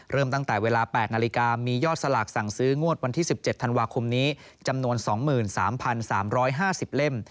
ตั้งแต่เวลา๘นาฬิกามียอดสลากสั่งซื้องวดวันที่๑๗ธันวาคมนี้จำนวน๒๓๓๕๐เล่ม